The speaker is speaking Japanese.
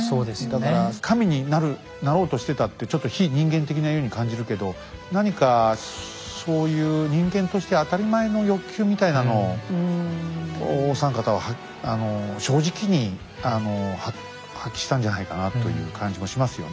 だから神になろうとしてたってちょっと非人間的なように感じるけど何かそういう人間として当たり前の欲求みたいなのをお三方は正直に発揮したんじゃないかなという感じもしますよね。